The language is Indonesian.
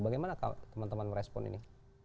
bagaimana teman teman merespon ini